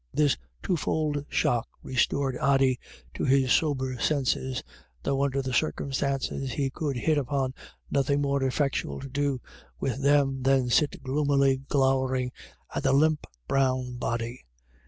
This twofold shock restored Ody to his sober senses, though under the circumstances he could hit upon nothing more effectual to do with them than sit gloomily glowering at the limp brown body.